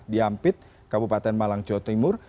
di ampit kabupaten malang jawa timur